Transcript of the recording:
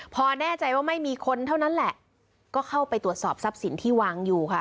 พอแน่ใจว่าไม่มีคนเท่านั้นแหละก็เข้าไปตรวจสอบทรัพย์สินที่วางอยู่ค่ะ